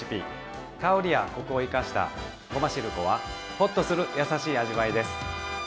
香りやコクを生かしたごましるこはほっとする優しい味わいです。